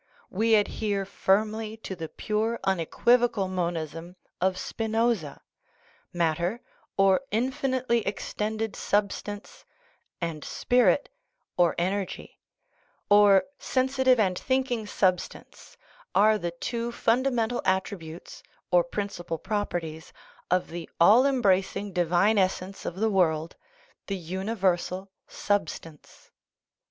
We adhere firmly to the pure, unequivocal monism of Spinoza: Matter, or in finitely extended substance, and spirit (or energy), or sensitive and thinking substance, are the two funda mental attributes or principal properties of the all embracing divine essence of the world, the universal substance.